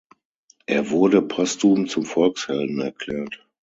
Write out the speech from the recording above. Er wurde postum zum Volkshelden erklärt.